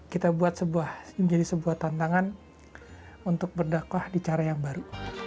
kita buat sebuah menjadi sebuah tantangan untuk berdakwah di cara yang baru